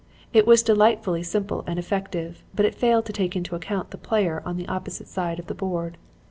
It was delightfully simple and effective, but it failed to take into account the player on the opposite side of the board.